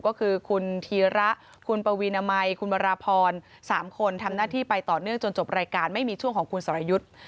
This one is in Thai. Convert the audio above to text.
ก็คือคุณธีระคุณปวีนามัยคุณวราพร๓คนทำหน้าที่ไปต่อเนื่องจนจบรายการไม่มีช่วงของคุณสรยุทธ์